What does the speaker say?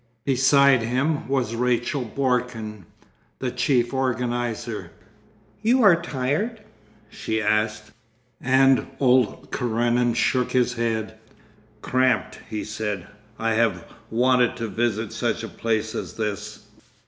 Beside him was Rachel Borken, the chief organiser. 'You are tired?' she asked, and old Karenin shook his head. 'Cramped,' he said. 'I have wanted to visit such a place as this.